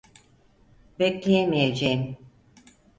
Bekleyemeyeceğim.